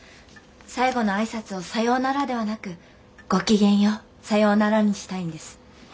最後の挨拶を「さようなら」ではなく「ごきげんよう。さようなら」にしたいんです。